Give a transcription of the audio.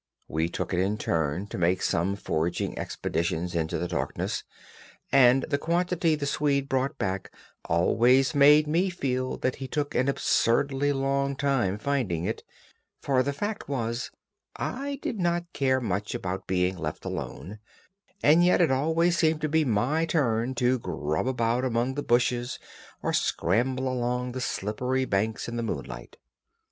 We took it in turn to make some foraging expeditions into the darkness, and the quantity the Swede brought back always made me feel that he took an absurdly long time finding it; for the fact was I did not care much about being left alone, and yet it always seemed to be my turn to grub about among the bushes or scramble along the slippery banks in the moonlight.